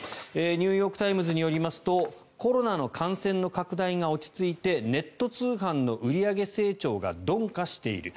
ニューヨーク・タイムズによりますとコロナの感染拡大が落ち着いてネット通販の売上成長が鈍化している。